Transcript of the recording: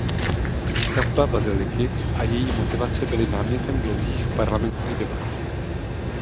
Výstavba baziliky a její motivace byly námětem dlouhých parlamentních debat.